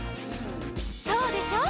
「そうでしょ？」